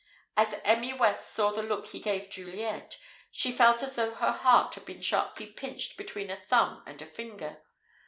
As Emmy West saw the look he gave Juliet, she felt as though her heart had been sharply pinched between a thumb and a finger.